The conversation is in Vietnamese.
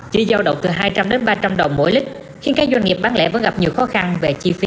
chỉ giao động từ hai trăm linh ba trăm linh đồng mỗi lít